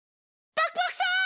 パクパクさん！